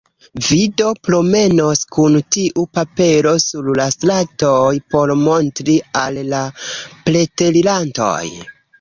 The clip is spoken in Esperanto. Vi do promenos kun tiu papero sur la stratoj por montri al la preterirantoj?